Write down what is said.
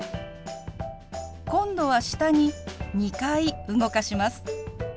今度は下に２回動かします。